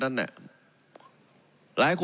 สะหรัก